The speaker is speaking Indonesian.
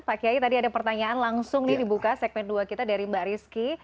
pak kiai tadi ada pertanyaan langsung nih dibuka segmen dua kita dari mbak rizky